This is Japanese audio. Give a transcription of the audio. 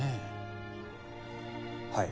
はい。